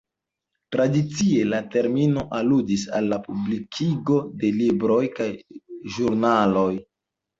Tradicie la termino aludis al la publikigo de libroj kaj ĵurnaloj.